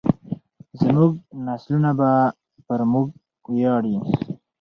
زموږ نسلونه به پر موږ وویاړي.